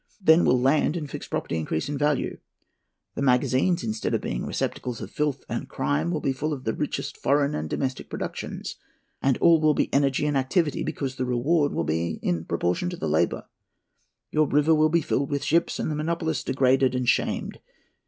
Then will land and fixed property increase in value. The magazines, instead of being the receptacles of filth and crime, will be full of the richest foreign and domestic productions; and all will be energy and activity, because the reward will be in proportion to the labour. Your river will be filled with ships, and the monopolist degraded and shamed.